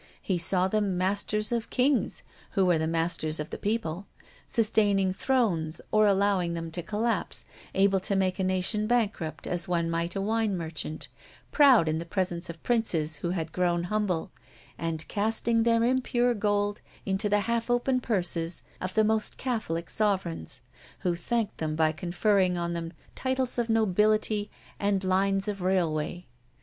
He saw them masters of kings, who are the masters of the people sustaining thrones or allowing them to collapse, able to make a nation bankrupt as one might a wine merchant, proud in the presence of princes who had grown humble, and casting their impure gold into the half open purses of the most Catholic sovereigns, who thanked them by conferring on them titles of nobility and lines of railway.